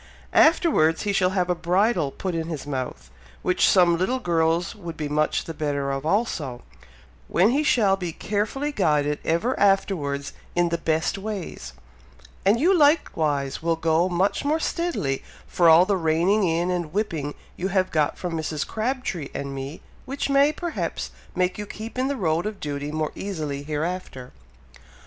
Afterwards he shall have a bridle put in his mouth, which some little girls would be much the better of also, when he shall be carefully guided ever afterwards in the best ways; and you likewise will go much more steadily for all the reining in and whipping you have got from Mrs. Crabtree and me, which may, perhaps, make you keep in the road of duty more easily hereafter."